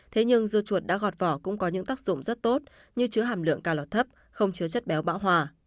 thế nhưng dưa chuột đã gọt vỏ cũng có những tác dụng rất tốt như chứa hàm lượng cà lò thấp không chứa chất béo bão hòa